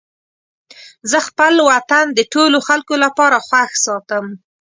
زه خپل وطن د ټولو خلکو لپاره خوښ ساتم.